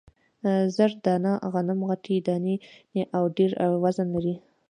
زر دانه غنم غټې دانې او ډېر وزن لري.